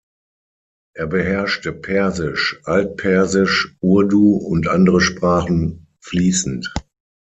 Er beherrschte Persisch, Alt-Persisch, Urdu und andere Sprachen fließend.